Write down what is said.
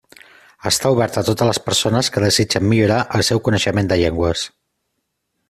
Està obert a totes les persones que desitgen millorar el seu coneixement de llengües.